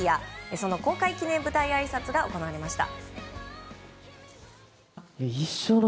その公開記念舞台あいさつが行われました。